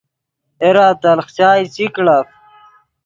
اے را تلخ چائے چی کڑف